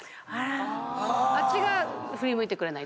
あっちが振り向いてくれない。